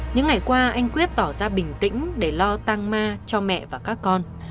những ngày qua anh quyết tỏ ra bình tĩnh để lo tăng ma cho mẹ và các con